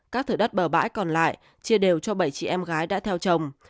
các thửa đất bờ bãi còn lại chia đều cho bảy chị em gái đã theo chồng